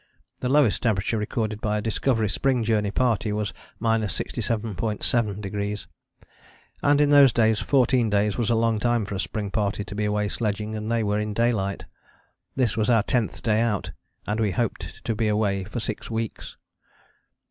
The lowest temperature recorded by a Discovery Spring Journey party was 67.7°, and in those days fourteen days was a long time for a Spring Party to be away sledging and they were in daylight. This was our tenth day out and we hoped to be away for six weeks.